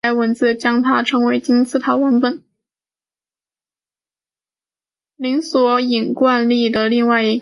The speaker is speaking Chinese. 零索引惯例的另一个特性是在现代计算机中实作的模运算。